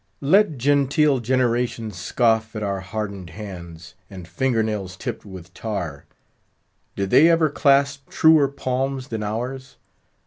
Let genteel generations scoff at our hardened hands, and finger nails tipped with tar—did they ever clasp truer palms than ours?